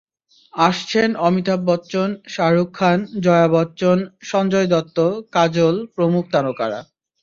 আসছেন অমিতাভ বচ্চন, শাহরুখ খান, জয়া বচ্চন, সঞ্জয় দত্ত, কাজল প্রমুখ তারকারা।